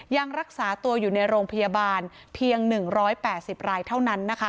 ยังรักษาตัวอยู่ในโรงพยาบาลเพียง๑๘๐รายเท่านั้นนะคะ